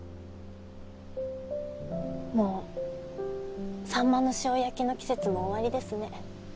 もうサンマの塩焼きの季節も終わりですね。